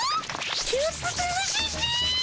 ちょっと楽しいっピ。